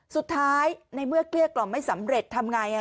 สุดท้ายในเมื่อเครียกกล่อไม่สำเร็จทำอย่างไร